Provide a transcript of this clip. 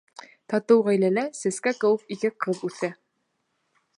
Татыу ғаиләлә сәскә кеүек ике ҡыҙ үҫә.